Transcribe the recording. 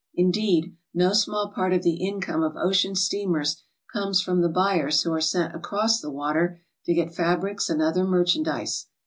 Indeed, no small part of the income of ocean steamers comes from the buyers who are sent across the water to get fabrics and other merchandise.